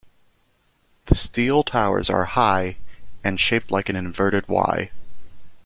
The steel towers are high and shaped like an inverted Y.